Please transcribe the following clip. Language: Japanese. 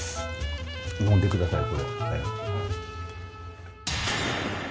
飲んでくださいこれ。